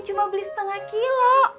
cuma beli setengah kilo